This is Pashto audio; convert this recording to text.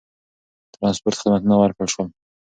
ترانسپورت خدمتونه ورکړل شول.